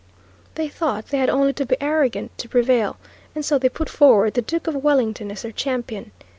They thought they had only to be arrogant to prevail, and so they put forward the Duke of Wellington as their champion.